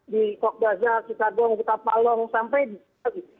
di kokdazar cipagong kutab palong sampai di bali